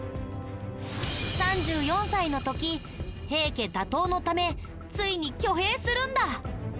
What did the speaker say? ３４歳の時平家打倒のためついに挙兵するんだ。